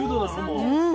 うん。